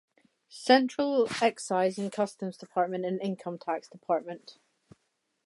Central Excise and Customs Department and Income Tax Department.